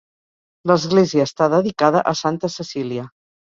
L'església està dedicada a Santa Cecília.